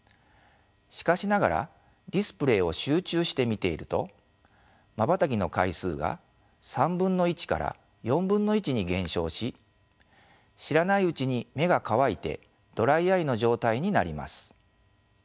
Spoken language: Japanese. しかしながらディスプレイを集中して見ているとまばたきの回数が３分の１から４分の１に減少し知らないうちに目が乾いてドライアイの状態になります。